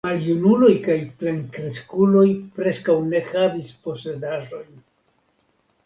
Maljunuloj kaj plenkreskuloj preskaŭ ne havis posedaĵojn.